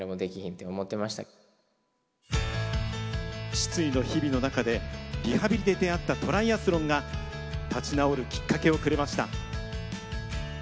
失意の日々の中でリハビリで出会ったトライアスロンが立ち直るきっかけをくれました。